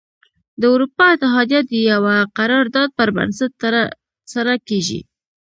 د اروپا اتحادیه د یوه قرار داد پر بنسټ تره سره کیږي.